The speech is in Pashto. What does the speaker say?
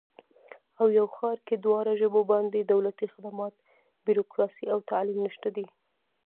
او یو ښار کې دواړه ژبو باندې دولتي خدمات، بیروکراسي او تعلیم نشته دی